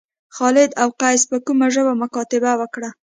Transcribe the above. خالد او قیس په کومه ژبه مکاتبه وکړه.